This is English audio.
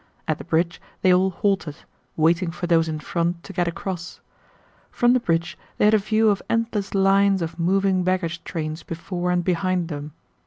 At the bridge they all halted, waiting for those in front to get across. From the bridge they had a view of endless lines of moving baggage trains before and behind them.